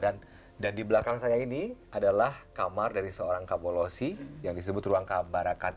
di belakang saya ini adalah kamar dari seorang kabolosi yang disebut ruang kabarakat